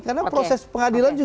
karena proses pengadilan